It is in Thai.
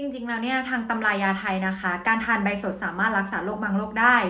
จริงแล้วเนี่ยทางตำรายาไทยนะคะการทานใบสดสามารถรักษาโรคบางโรคได้